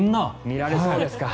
見られそうですか？